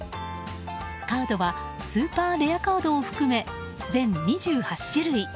カードはスーパーレアカードを含め全２８種類。